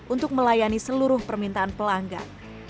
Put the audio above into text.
untuk melayani seluruh permintaan pelanggan